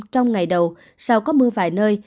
trong ngày đầu sau có mưa vài nơi